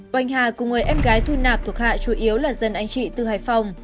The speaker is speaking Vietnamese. oanh hà cùng người em gái thu nạp thuộc hạ chủ yếu là dân anh chị từ hải phòng